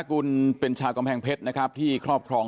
กุลเป็นชาค์กำพแพนค์เผ็ดนะครับที่ครอบทรอง